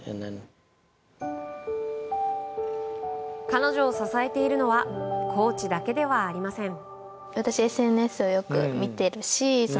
彼女を支えているのはコーチだけではありません。